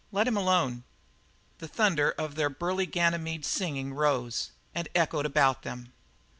"Let him alone." The thunder of their burly Ganymede's singing rose and echoed about them.